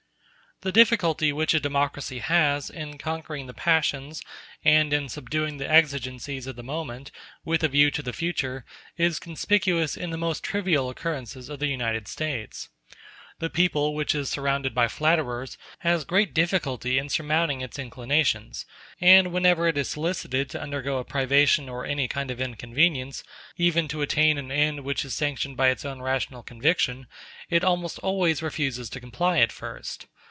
The difficulty which a democracy has in conquering the passions and in subduing the exigencies of the moment, with a view to the future, is conspicuous in the most trivial occurrences of the United States. The people, which is surrounded by flatterers, has great difficulty in surmounting its inclinations, and whenever it is solicited to undergo a privation or any kind of inconvenience, even to attain an end which is sanctioned by its own rational conviction, it almost always refuses to comply at first.